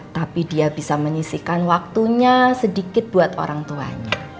tapi dia bisa menyisikan waktunya sedikit buat orang tuanya